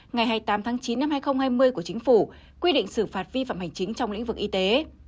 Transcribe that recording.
ngày hai mươi tám tháng chín năm hai nghìn hai mươi của chính phủ quy định xử phạt vi phạm hành chính trong lĩnh vực y tế